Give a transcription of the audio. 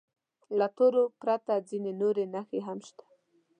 له تورو پرته ځینې نورې نښې هم شته.